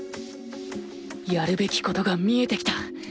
やるべきことが見えてきた！